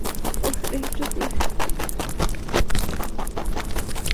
ওহ, এটুকুই?